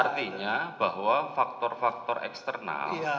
artinya bahwa faktor faktor eksternal